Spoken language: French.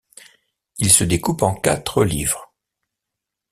Il se découpe en quatre livres.